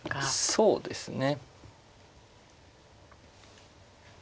そうですね。